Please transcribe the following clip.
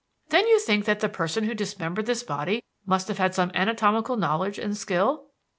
"Then you think that the person who dismembered this body must have had some anatomical knowledge and skill?"